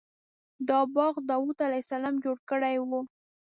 دا باغ داود علیه السلام جوړ کړی و.